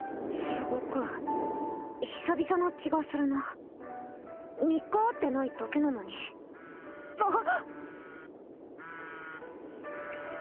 すごく久々な気がするな３日会ってないだけなのにあっ！